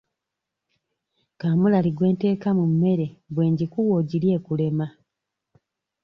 Kaamulali gwe nteeka mu mmere bwe ngikuwa ogirye ekulema.